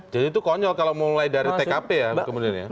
jadi itu konyol kalau mulai dari tkp ya